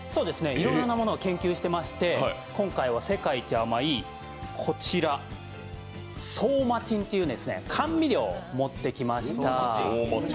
いろいろなものを研究していまして、今回は世界一甘いこちらソーマチンっていう甘味料を持ってきました。